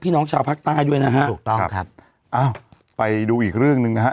น้องชาวภาคใต้ด้วยนะฮะถูกต้องครับอ้าวไปดูอีกเรื่องหนึ่งนะฮะ